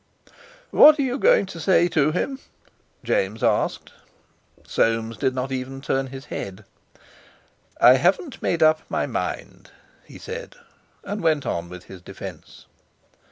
"What are you going to say to him?" James asked. Soames did not even turn his head. "I haven't made up my mind," he said, and went on with his defence.